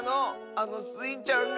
あのスイちゃんが！